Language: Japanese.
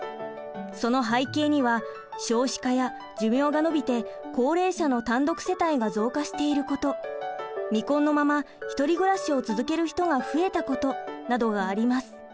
その背景には少子化や寿命が延びて高齢者の単独世帯が増加していること未婚のまま１人暮らしを続ける人が増えたことなどがあります。